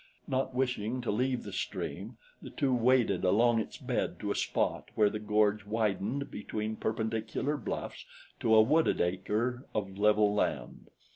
Not wishing to leave the stream the two waded along its bed to a spot where the gorge widened between perpendicular bluffs to a wooded acre of level land.